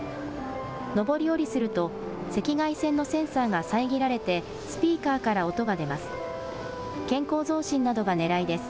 上り下りすると赤外線のセンサーが遮られてスピーカーから音が出ます。